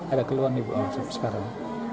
ada keluhan ibu untuk sekarang